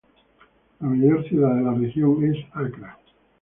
La mayor ciudad de la región es Acra.